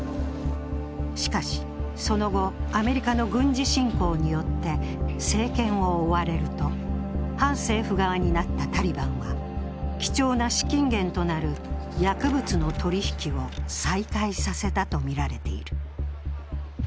しかしその後、アメリカの軍事侵攻によって政権を追われると反政府側になったタリバンは貴重な資金源となる薬物の取り引きを再開させたとみられている。